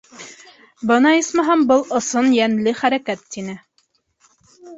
— Бына, исмаһам, был ысын, йәнле хәрәкәт, — тине.